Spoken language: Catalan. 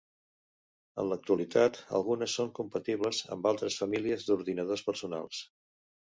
En l'actualitat, algunes són compatibles amb altres famílies d'ordinadors personals.